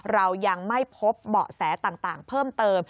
เรายังไม่พบเบาะแสต่างเพิ่มเติม